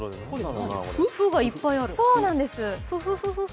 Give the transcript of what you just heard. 「フ」がいっぱいある。